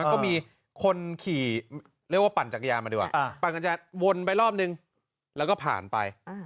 ก็มีคนขี่เรียกว่าปั่นจักรยานมาดีกว่าปั่นกัญญาวนไปรอบนึงแล้วก็ผ่านไป